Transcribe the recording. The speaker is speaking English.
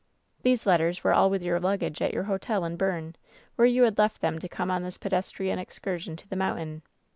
These letters were all with your luggage at your hotel at Berne, where you had left them to come on this pedestrian excursion to the mountain.